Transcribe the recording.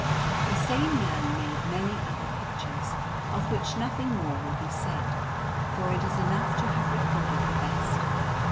The same man made many other pictures, of which nothing more will be said, for it is enough to have recorded the best.